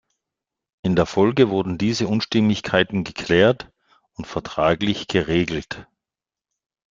In der Folge wurden diese Unstimmigkeiten geklärt und vertraglich geregelt.